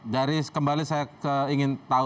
dari kembali saya ingin tahu